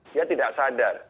dia tidak sadar